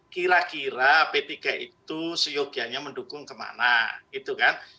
kira kira p tiga itu seyogianya mendukung kemana gitu kan